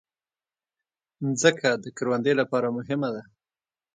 مځکه د کروندې لپاره مهمه ده.